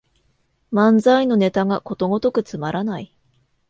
漫才のネタがことごとくつまらない